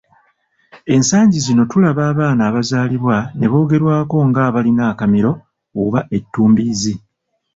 Ensangi zino tulaba abaana abazaalibwa ne boogerwako ng’abalina akamiro oba ettumbiizi.